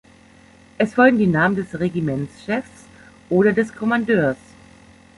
Es folgen die Namen des Regimentschefs oder des Kommandeurs.